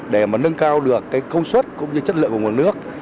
để nâng cao được công suất cũng như chất lượng của nguồn nước